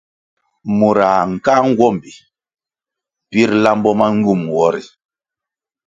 Murãh nkáʼa nguombi pir lambo ma ngywum nwo ri.